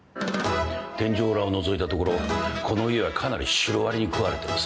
天井裏をのぞいたところこの家はかなりシロアリに食われてます。